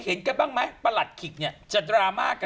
เพราะคนขับรถพี่ไม่ได้ไล่